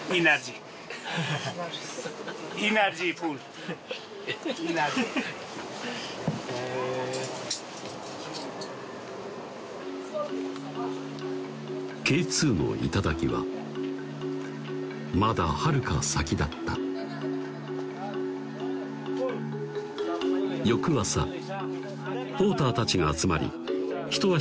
エナジーフードエナジーへぇＫ２の頂はまだはるか先だった翌朝ポーターたちが集まりひと足